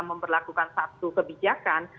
memperlakukan satu kebijakan